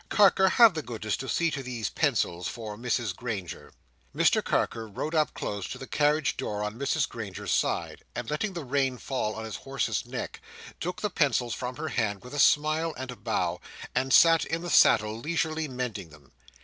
Carker, have the goodness to see to these pencils for Mrs Granger." Mr Carker rode up close to the carriage door on Mrs Granger's side, and letting the rein fall on his horse's neck, took the pencils from her hand with a smile and a bow, and sat in the saddle leisurely mending them.